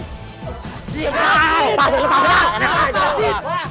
gak apa apa lepasin